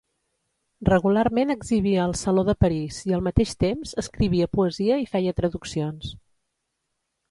Regularment exhibia al Saló de París i al mateix temps escrivia poesia i feia traduccions.